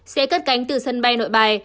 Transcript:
sẽ cất cánh từ sân bay nội bài